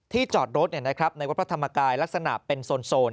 จอดรถในวัดพระธรรมกายลักษณะเป็นโซน